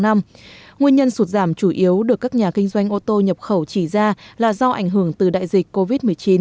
nguyên nhân sụt giảm chủ yếu được các nhà kinh doanh ô tô nhập khẩu chỉ ra là do ảnh hưởng từ đại dịch covid một mươi chín